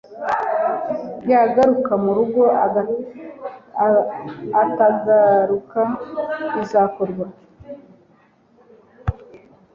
Yagaruka murugo atagaruka bizakorwa